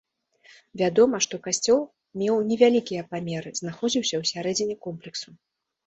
Вядома, што касцёл меў невялікія памеры, знаходзіўся ў сярэдзіне комплексу.